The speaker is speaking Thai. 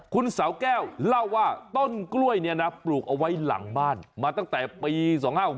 คุณเสาแก้วเล่าว่าต้นกล้วยเนี่ยนะปลูกเอาไว้หลังบ้านมาตั้งแต่ปี๒๕๖๖